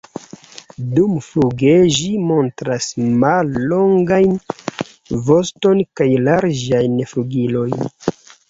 Dumfluge ĝi montras mallongajn voston kaj larĝajn flugilojn.